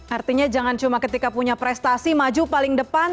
artinya jangan cuma ketika punya prestasi maju paling depan